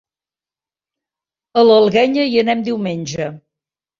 A l'Alguenya hi anem diumenge.